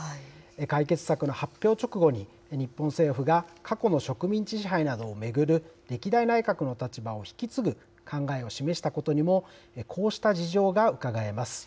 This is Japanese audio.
解決策の発表直後に、日本政府が過去の植民地支配などを巡る歴代内閣の立場を引き継ぐ考えを示したことにも、こうした事情がうかがえます。